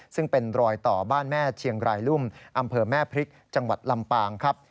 ซึ่งเป็นรอยต่อบ้านแม่เชียงรายลุ่มอำเภอแม่พริกจังหวัดลำปางครับ